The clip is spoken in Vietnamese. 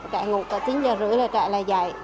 trẻ ngủ chín giờ rưỡi là trẻ lại dạy